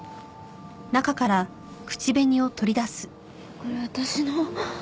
これ私の。